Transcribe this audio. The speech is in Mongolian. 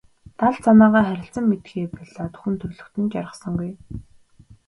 Далд санаагаа харилцан мэдэхээ болиод хүн төрөлхтөн жаргасангүй.